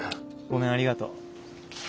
ごめんありがとう。